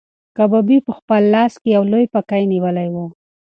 کبابي په خپل لاس کې یو لوی پکی نیولی و.